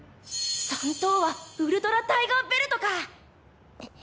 三等はウルトラタイガーベルトか。